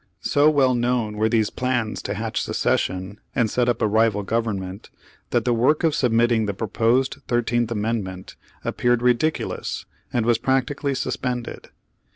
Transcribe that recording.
So well known were these plans to hatch secession, and set up a rival government, that the work of submitting the proposed Thirteenth Amendment appeared ridiculous, and was practically sus pended.